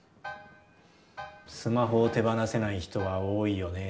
スマホを手放せない人は多いよね。